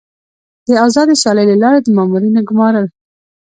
د آزادې سیالۍ له لارې د مامورینو ګمارل.